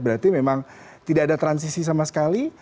berarti memang tidak ada transisi sama sekali